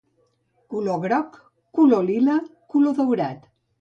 Color groc, color lila, color daurat.